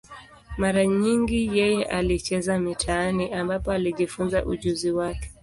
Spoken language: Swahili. Mara nyingi yeye alicheza mitaani, ambapo alijifunza ujuzi wake.